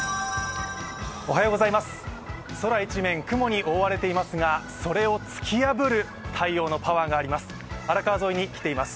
空一面雲に覆われていますがそれを突き破る太陽のパワーがあります。